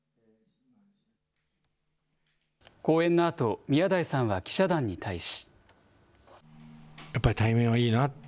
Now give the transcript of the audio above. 講演のあと、宮台さんは記者団に対し。